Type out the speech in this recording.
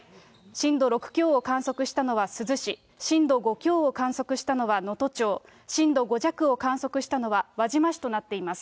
震度６強を観測したのは珠洲市、震度５強を観測したのは能登町、震度５弱を観測したのは輪島市となっています。